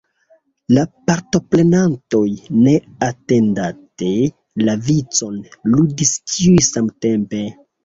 La partoprenantoj, ne atendante la vicon, ludis ĉiuj samtempe.